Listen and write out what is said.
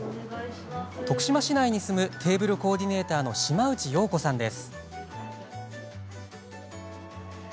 徳島市内に住むテーブルコーディネーターの島内陽子さんです。